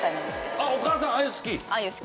あっお母さんあゆ好き？